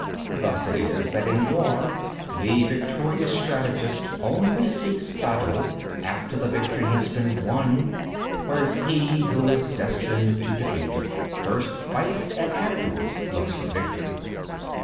15. Thus it is that in war the victorious strategist only seeks battle after the victory has been won, whereas he who is destined to defeat first fights and afterwards looks for victory.